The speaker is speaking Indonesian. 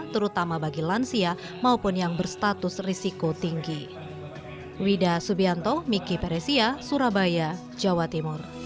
terutama bagi lansia maupun yang berstatus risiko tinggi